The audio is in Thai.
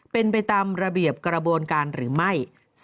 เป็นไปตามระเบียบกระบวนการหรือไม่